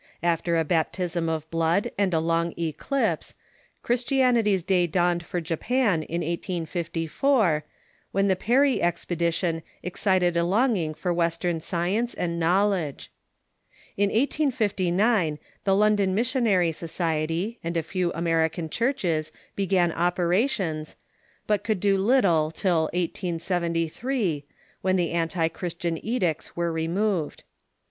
After a baptism of blood and a long eclipse, Christianity's day dawned for Japan in 1854, when the Perry expedition excited a longing for \yest ern science and knowledge. In 1859 the London Missionary Society and a few American churches began operations, but could do little till 1873, when the anti Chi'istian edicts Avere removed.